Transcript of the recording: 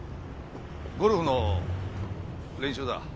ゴルフの練習だ。